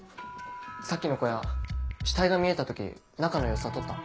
さっきの小屋死体が見えた時中の様子は撮った？